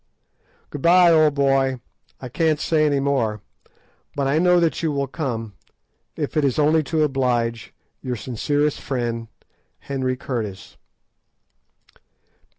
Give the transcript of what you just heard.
Good bye, old boy; I can't say any more, but I know that you will come, if it is only to oblige Your sincere friend, HENRY CURTIS.